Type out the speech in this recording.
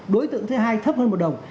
đối tượng thứ hai thấp hơn một đồng